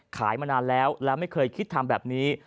มานานแล้วและไม่เคยคิดทำแบบนี้